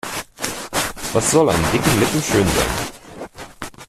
Was soll an dicken Lippen schön sein?